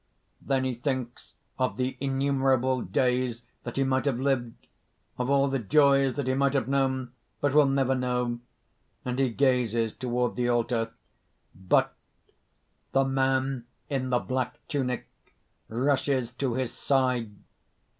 (_Then he thinks of the innumerable days that he might have lived, of all the joys that he might have known, but will never know; and he gazes toward the altar._ But ) THE MAN IN THE BLACK TUNIC (_rushes to his side.